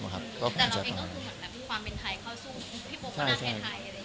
แต่เราเองก็คือแบบนั้นความเป็นไทยเข้าสู้พี่โป๊ปก็นั่งไทย